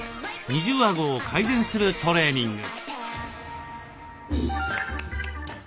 二重あごを改善するトレーニング。